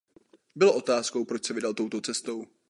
Bylo otázkou proč se vydal touto cestou.